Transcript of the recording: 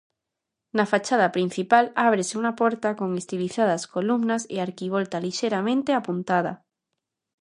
Na fachada principal ábrese unha porta con estilizadas columnas e arquivolta lixeiramente apuntada.